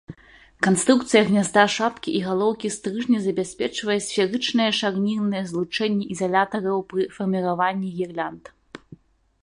Канструкцыя гнязда шапкі і галоўкі стрыжня забяспечвае сферычнае шарнірнае злучэнне ізалятараў пры фарміраванні гірлянд.